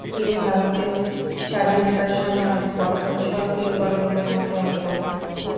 তিনি ভারতের স্বাধীনতা সংগ্রামের প্রথম সক্রিয় কর্মীদের মধ্যে একজন।